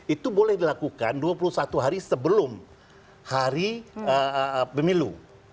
itu boleh dilakukan dua puluh satu hari sebelum hari pemilu